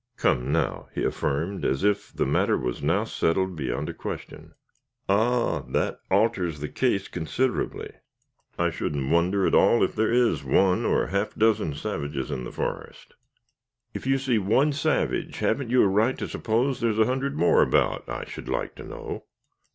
Come now," he affirmed, as if the matter was now settled beyond a question. "Ah! that alters the case considerably. I shouldn't wonder at all if there is one or a half dozen savages in the forest." "If you see one savage haven't you a right to suppose there's a hundred more about, I should like to know?"